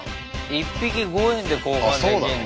１匹５円で交換できんだ。